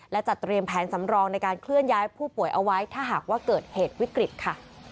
และจัดเตรียมแผนสำรองในการเคลื่อนย้ายผู้ป่วยเอาไว้ถ้าหากว่าเกิดเหตุวิกฤตค่ะ